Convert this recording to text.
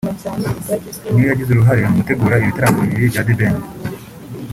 niyo yagize uruhare mu gutegura ibi bitaramo bibiri bya The Ben